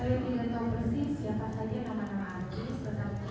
itu tadi yang saya dengar kami hanya makan